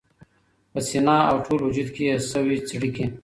په سینه او ټول وجود کي یې سوې څړیکي